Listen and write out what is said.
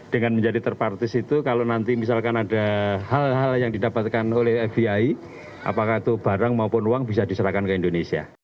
ketua dpr setia novanto menanggap kejahatan lintas negara ini berharga rp dua tiga triliun